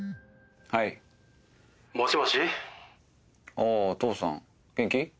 あ父さん元気？